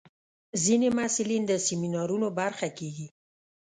ځینې محصلین د سیمینارونو برخه کېږي.